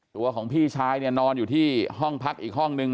ตัวของพี่ชายเนี่ยนอนอยู่ที่ห้องพักอีกห้องนึง